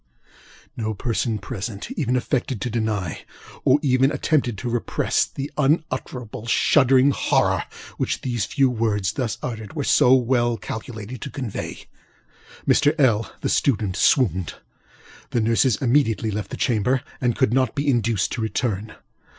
ŌĆØ No person present even affected to deny, or attempted to repress, the unutterable, shuddering horror which these few words, thus uttered, were so well calculated to convey. Mr. LŌĆöl (the student) swooned. The nurses immediately left the chamber, and could not be induced to return.